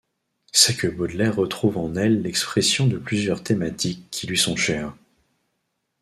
C’est que Baudelaire retrouve en elles l’expression de plusieurs thématiques qui lui sont chères.